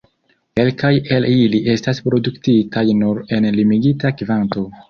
Kelkaj el ili estas produktitaj nur en limigita kvanto.